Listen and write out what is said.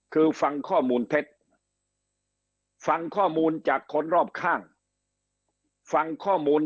คือฟังข้อมูลเท็จฟังข้อมูลจากคนรอบข้างฟังข้อมูล